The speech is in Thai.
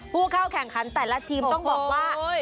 ผู้เข้าแข่งขันแต่ละทีมต้องบอกว่า